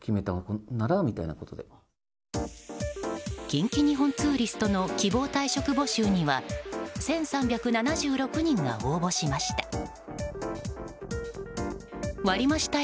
近畿日本ツーリストの希望退職募集には１３７６人が応募しました。